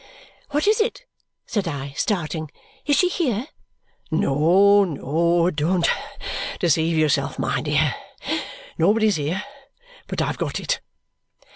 "What is it?" said I, starting. "Is she here?" "No, no. Don't deceive yourself, my dear. Nobody's here. But I've got it!"